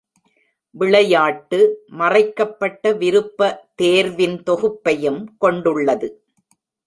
விளையாட்டு மறைக்கப்பட்ட விருப்பதேர்வின் தொகுப்பையும் கொண்டுள்ளது.